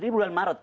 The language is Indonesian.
ini bulan maret